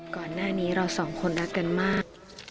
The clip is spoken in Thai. ก่อนหน้านี้เราสองคนรักกันมาก